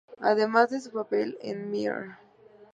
Además de su papel en "Mr.